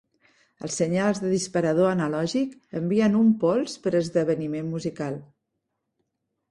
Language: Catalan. Els senyals de "disparador analògic" envien un pols per esdeveniment musical.